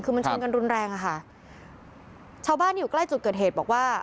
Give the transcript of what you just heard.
คือมันชนกันรุนแรงอะค่ะชาวบ้านที่อยู่ใกล้จุดเกิดเหตุบอกว่า